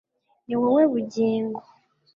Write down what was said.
ni wowe bugingo